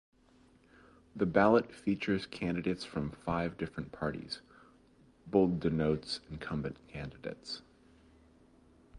The ballot features candidates from five different parties (bold denotes incumbent candidates).